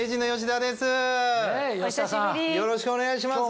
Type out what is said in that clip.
よろしくお願いします。